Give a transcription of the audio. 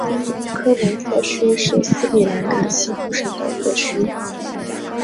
科伦坡区是斯里兰卡西部省的一个区。